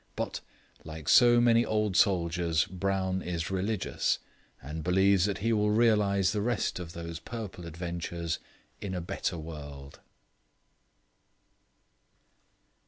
But, like so many old soldiers, Brown is religious, and believes that he will realize the rest of those purple adventures in a better world.